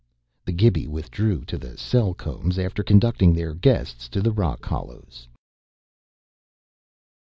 The Gibi withdrew to the cell combs after conducting their guests to the rock hollows.